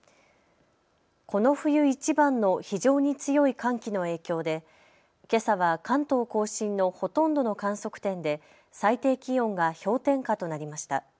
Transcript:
この冬いちばんの非常に強い寒気の影響でけさは関東甲信のほとんどの観測点で最低気温が氷点下となりました。